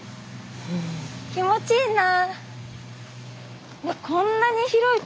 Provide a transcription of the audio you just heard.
気持ちいいな！